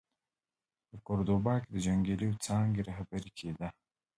د کوردوبا کې د جنګیاليو څانګه رهبري کېده.